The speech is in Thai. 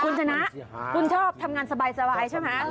คุณชนะคุณชอบทำงานสบายใช่ไหม